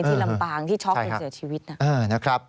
ลำปางที่ช็อกจนเสียชีวิตนะครับ